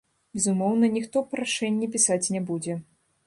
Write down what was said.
Безумоўна, ніхто прашэнне пісаць не будзе.